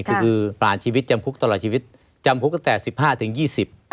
คือคือปล่าญชีวิตจำพลุกตลอดชีวิตจำพลุกจนแปด๑๕๒๐